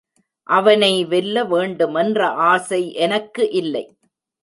அவனை வெல்ல வேண்டுமென்ற ஆசை எனக்கு இல்லை.